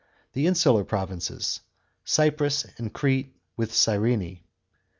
§ 6. The in ular provinces, CYPRUS and CRETE, with CYRENK. § 7.